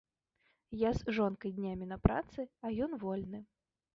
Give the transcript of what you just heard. Я з жонкай днямі на працы, а ён вольны.